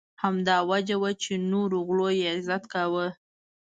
همدا وجه وه چې نورو غلو یې عزت کاوه.